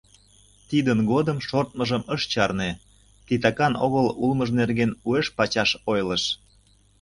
Тидын годым шортмыжым ыш чарне, титакан огыл улмыж нерген уэш-пачаш ойлыш.